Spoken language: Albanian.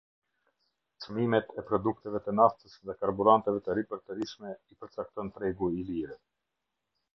Çmimet e produkteve të naftës dhe karburanteve të ripërtërishme i përcakton tregu i lirë.